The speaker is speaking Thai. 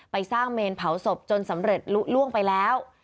สร้างเมนเผาศพจนสำเร็จลุล่วงไปแล้ว